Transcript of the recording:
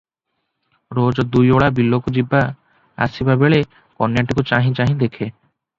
ରୋଜ ଦୁଇଓଳି ବିଲକୁ ଯିବା ଆସିବା ବେଳେ କନ୍ୟାଟିକୁ ଚାହିଁ ଚାହିଁ ଦେଖେ ।